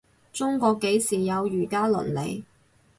中國幾時有儒家倫理